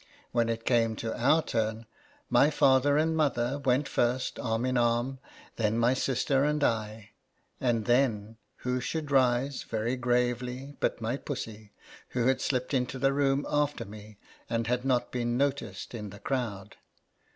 When it came to our turn, my father and mother went first, arm in arm ; then my sister and I ; and then, who should rise, very gravely, but my Pussy, who had slipped into the room after me, and had not been noticed in the crowd.